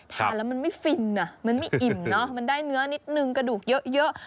ทานแล้วมันไม่ฟินอ่ะมันไม่อิ่มเนอะมันได้เนื้อนิดนึงกระดูกเยอะ